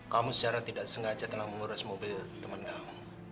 kamu secara tidak sengaja telah menguras mobil teman kamu